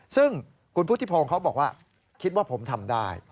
ซึ่งคุณพุทธิพงศ์เขาบอกว่าคิดว่าผมทำได้